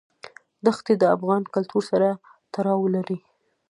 دښتې د افغان کلتور سره تړاو لري.